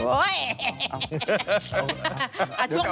โอ้โฮ